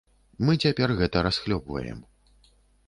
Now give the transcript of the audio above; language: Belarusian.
Мы цяпер гэта расхлёбваем.